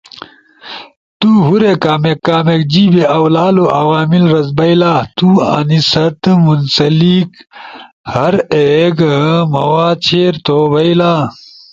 تو ہورے کامیک کامیک جیبے اؤ لالو عوامل رزبئیلا، تو انی ست منسلک ہر ایک مواد شیئر تھو بئیلا۔